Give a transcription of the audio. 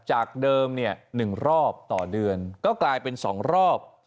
จากเดิมเนี่ยหนึ่งรอบต่อเดือนก็กลายเป็นสองรอบ